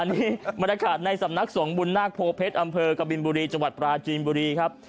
นี่บรรยากาศในสำนักสงบุญนาคโพเพชรอำเภอกบินบุรีจังหวัดปราจีนบุรีครับ